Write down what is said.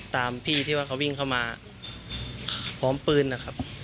ตามที่ที่ว่าเขาวิ่งเข้ามาพร้อมปืนนะครับ